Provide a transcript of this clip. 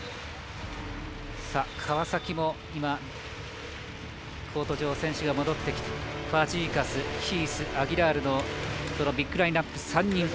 川崎も今、コート上選手が戻ってきてファジーカス、ヒースアギラールのビッグラインナップ３人。